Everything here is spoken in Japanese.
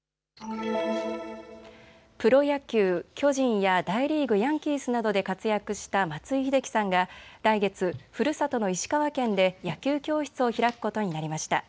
プロ野球、巨人や大リーグ、ヤンキースなどで活躍した松井秀喜さんが来月、ふるさとの石川県で野球教室を開くことになりました。